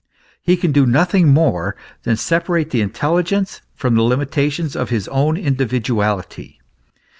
He can do nothing more than separate the in telligence from the limitations of his own individuality.